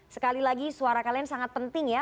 sekali lagi suara kalian sangat penting ya